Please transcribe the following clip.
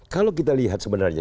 kalau kita lihat sebenarnya